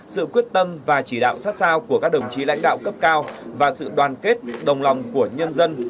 sự quyết tâm và chỉ đạo sát sao của các đồng chí lãnh đạo cấp cao và sự đoàn kết đồng lòng của nhân dân